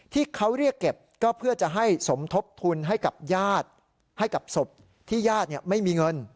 ที่เขาเรียกเก็บก็เพื่อจะให้สมทบทุนให้กับญาติให้กับศพที่ญาติไม่มีเงิน